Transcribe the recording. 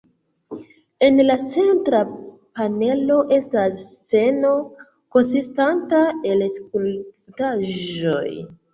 En la centra panelo estas sceno konsistanta el skulptaĵoj.